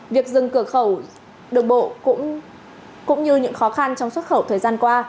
việc dừng cửa khẩu đường bộ cũng như những khó khăn trong xuất khẩu thời gian qua